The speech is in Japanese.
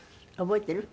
覚えてる。